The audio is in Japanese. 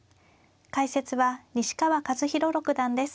解説は西川和宏六段です。